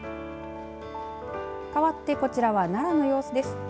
かわって、こちらは奈良の様子です。